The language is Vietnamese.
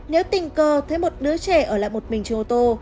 nếu tình cờ thấy một đứa trẻ ở lại một mình cho ô tô